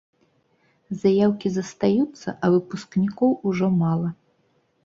Заяўкі застаюцца, а выпускнікоў ужо мала.